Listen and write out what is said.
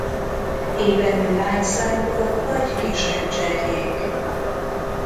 Évelő lágyszárúak vagy kisebb cserjék.